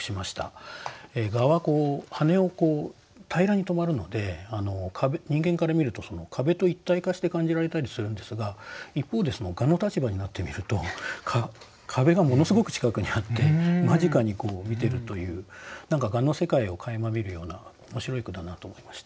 蛾は羽を平らに止まるので人間から見ると壁と一体化して感じられたりするんですが一方で蛾の立場になってみると壁がものすごく近くにあって間近に見てるという蛾の世界をかいま見るような面白い句だなと思いました。